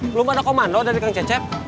belum ada komando dari kang cecep